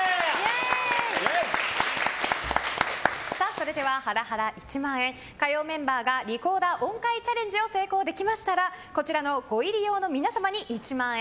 それではハラハラ１万円火曜メンバーがリコーダー音階チャレンジを成功できましたらこちらのご入用の皆様に１万円。